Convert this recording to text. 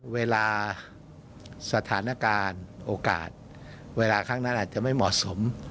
เวลาสถานการณ์โอกาสเวลาครั้งนั้นอาจจะไม่เหมาะสม